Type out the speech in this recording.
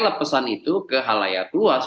lepesan itu ke halaya luas